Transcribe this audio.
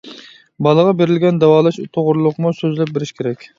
بالىغا بېرىلگەن داۋالاش توغرىلىقمۇ سۆزلەپ بېرىش كېرەك.